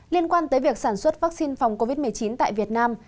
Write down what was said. liên quan tới việc sản xuất vaccine phòng covid một mươi chín tại việt nam